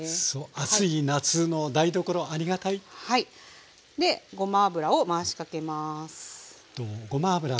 暑い夏の台所ありがたい。でごま油を回しかけます。